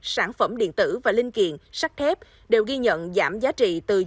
sản phẩm điện tử và linh kiện sắt thép đều ghi nhận giảm giá trị từ chín một mươi một đến ba mươi hai hai